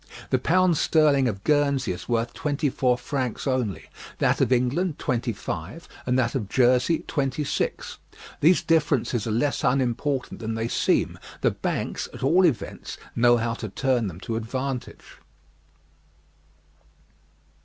The pound sterling of Guernsey is worth twenty four francs only, that of England twenty five, and that of Jersey twenty six. These differences are less unimportant than they seem: the banks, at all events, know how to turn them to advantage.